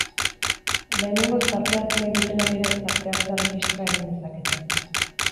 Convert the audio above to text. Lehenengoz parte hartu nahi dutenek ere, partehartze erregistroa egin dezakete.